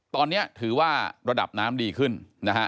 ตอนนี้ถือว่าระดับน้ำดีขึ้นนะฮะ